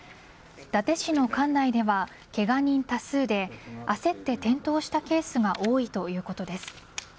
伊達市の管内ではけが人多数で、焦って転倒したケースが多いということです。